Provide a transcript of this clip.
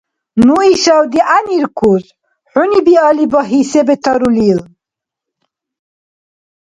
Ну ишав дигӀяниркус, хӀуни биалли багьи, се бетаурлил…